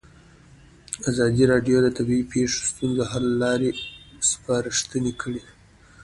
ازادي راډیو د طبیعي پېښې د ستونزو حل لارې سپارښتنې کړي.